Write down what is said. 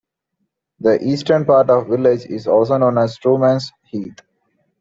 The eastern part of the village is also known as Trueman's Heath.